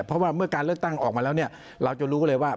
เพราะว่าเมื่อการเลือกตั้งออกมาแล้วเนี่ยเราจะรู้เลยว่า